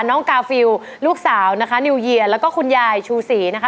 กาฟิลลูกสาวนะคะนิวเยียแล้วก็คุณยายชูศรีนะคะ